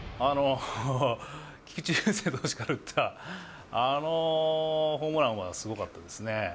菊池雄星投手から打った、あのホームランはすごかったです